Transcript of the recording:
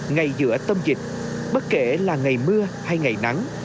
ngay giữa tâm dịch bất kể là ngày mưa hay ngày nắng